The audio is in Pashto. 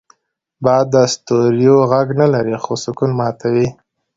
باد د ستوریو غږ نه لري، خو سکون ماتوي